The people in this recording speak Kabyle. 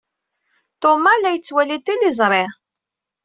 Thomas la yettwali tiliẓri.